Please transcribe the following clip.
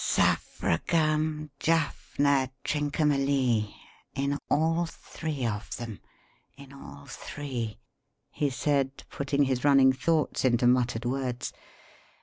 "Saffragam Jaffna Trincomalee! In all three of them in all three!" he said, putting his running thoughts into muttered words.